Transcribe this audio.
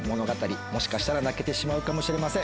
もしかしたら泣けてしまうかもしれません。